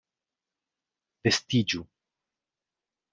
Vestiĝu!